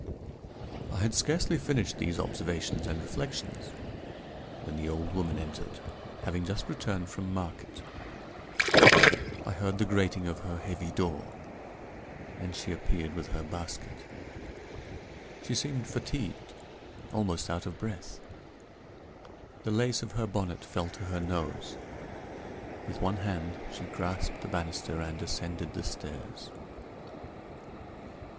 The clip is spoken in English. I had scarcely finished these observations and reflections, when the old woman entered, having just returned from market. I heard the grating of her heavy door. Then she appeared with her basket. She seemed fatigued almost out of breath. The lace of her bonnet fell to her nose. With one hand she grasped the banister and ascended the stairs.